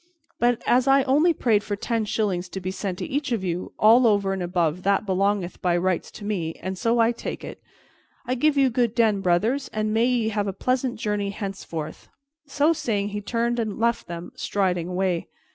But as I only prayed for ten shillings to be sent to each of you, all over and above that belongeth by rights to me, and so I take it. I give you good den, brothers, and may ye have a pleasant journey henceforth." So saying, he turned and left them, striding away.